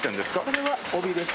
これは帯です。